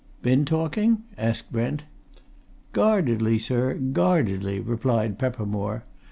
"Been talking?" asked Brent. "Guardedly, sir, guardedly!" replied Peppermore.